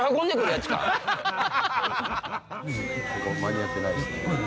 間に合ってないですね。